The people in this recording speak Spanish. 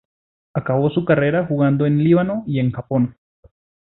Acabó su carrera jugando en Líbano y en Japón.